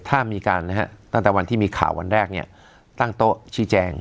และเราก็ทำตั้งแต่วันที่มีข่าววันแรกเนี่ยตั้งโต้ชี้แจง